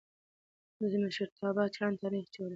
د مشرتابه چلند تاریخ جوړوي